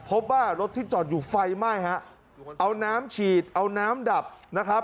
พบว่ารถที่จอดอยู่ไฟไหม้ฮะเอาน้ำฉีดเอาน้ำดับนะครับ